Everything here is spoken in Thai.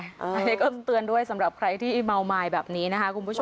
อันนี้ก็เตือนด้วยสำหรับใครที่เมาไม้แบบนี้นะคะคุณผู้ชม